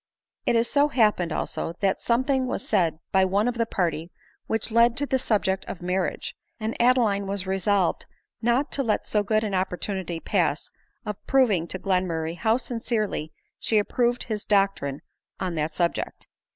It so happened, also, that something was said by one of the party which led to the subject of marriage, and Adeline was resolved not to let so good an opportunity pass of proving to Glenmurray how sincerely she approv ed his doctrine on that subject.